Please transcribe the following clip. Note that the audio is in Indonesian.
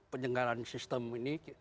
penyenggaran sistem ini